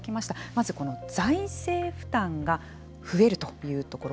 まず、この財政負担が増えるというところ。